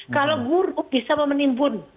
kalau guru bisa memenimbun